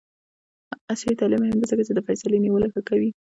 عصري تعلیم مهم دی ځکه چې د فیصلې نیولو ښه کوي.